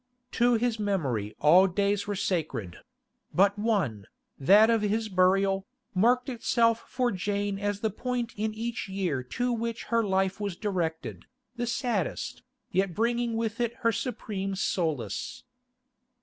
To his memory all days were sacred; but one, that of his burial, marked itself for Jane as the point in each year to which her life was directed, the saddest, yet bringing with it her supreme solace.